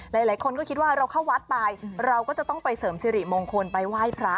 หลายคนก็คิดว่าเราเข้าวัดไปเราก็จะต้องไปเสริมสิริมงคลไปไหว้พระ